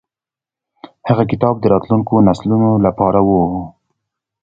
هغه کتاب د راتلونکو نسلونو لپاره و.